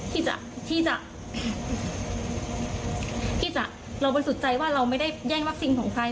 ที่จะเราบริสุทธิ์ใจว่าเราไม่ได้แย่งวัคซีนของใคร